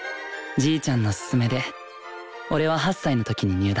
じいちゃんの勧めで俺は８歳の時に入団。